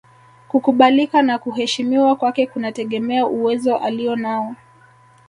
Kukubalika na kuheshimiwa kwake kunategemea uwezo alionao